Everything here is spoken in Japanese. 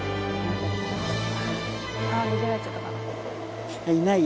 あ逃げられちゃったかな。